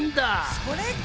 それか！